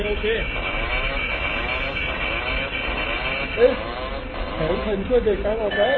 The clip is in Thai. เอ๊ะแขนเพื่อนเด็กกันออกแล้ว